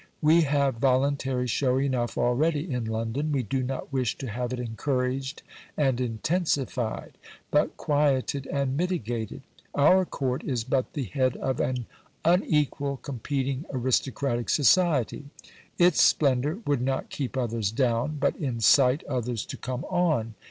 We have voluntary show enough already in London; we do not wish to have it encouraged and intensified, but quieted and mitigated. Our Court is but the head of an unequal, competing, aristocratic society; its splendour would not keep others down, but incite others to come on.